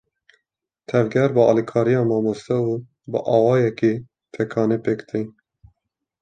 Tevger bi alîkariya mamoste û bi awayekî tekane, pêk tên.